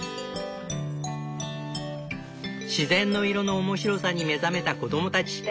自然の色の面白さに目覚めた子供たち。